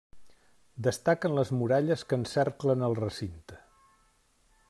Destaquen les muralles que encerclen el recinte.